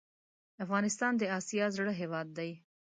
افغانستان د اسیا زړه هیواد ده